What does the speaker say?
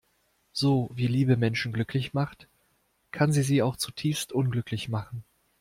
So wie Liebe Menschen glücklich macht, kann sie sie auch zutiefst unglücklich machen.